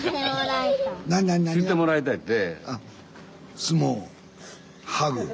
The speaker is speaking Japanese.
してもらいたいって。